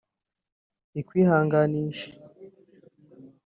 ikwihanganishe